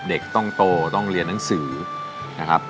เด็กต้องโตต้องเรียนหนังสือนะครับ